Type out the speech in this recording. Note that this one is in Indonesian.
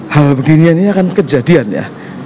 hal beginian ini akan kejadian ya